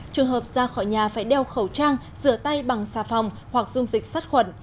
trường hợp ra khỏi nhà phải đeo khẩu trang rửa tay bằng xà phòng hoặc dung dịch sát khuẩn